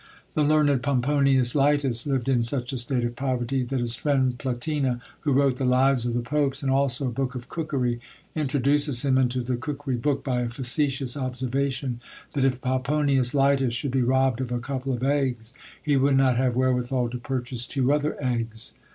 The learned Pomponius Lætus lived in such a state of poverty, that his friend Platina, who wrote the lives of the popes, and also a book of cookery, introduces him into the cookery book by a facetious observation, that "If Pomponius Lætus should be robbed of a couple of eggs, he would not have wherewithal to purchase two other eggs."